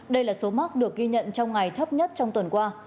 đây là số mắc được ghi nhận trong ngày thấp nhất trong tuần qua